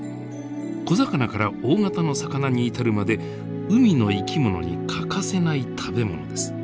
小魚から大型の魚に至るまで海の生き物に欠かせない食べ物です。